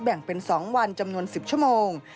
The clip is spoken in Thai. แบ่งเป็น๒วันจำนวน๑๐ชั่วโมง